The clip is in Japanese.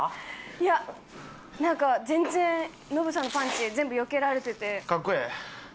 いやなんか全然ノブさんのパンチ全部よけられてて。